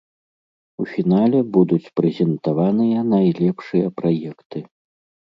У фінале будуць прэзентаваныя найлепшыя праекты.